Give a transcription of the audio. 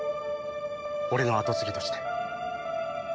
俺の後継ぎとして。